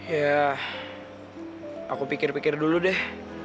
ya aku pikir pikir dulu deh